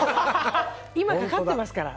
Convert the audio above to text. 今、かかってますから。